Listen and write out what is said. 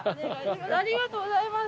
ありがとうございます。